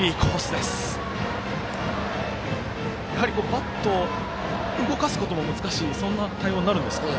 バットを動かすことも難しいそんな対応になるんですか？